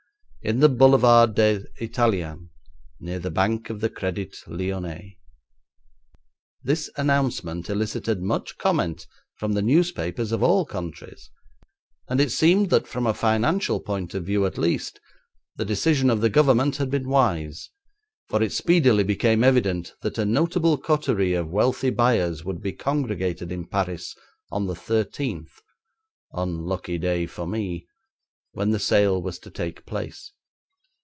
in the Boulevard des Italiens, near the Bank of the Crédit Lyonnais. This announcement elicited much comment from the newspapers of all countries, and it seemed that, from a financial point of view at least, the decision of the Government had been wise, for it speedily became evident that a notable coterie of wealthy buyers would be congregated in Paris on the thirteenth (unlucky day for me!) when the sale was to take place.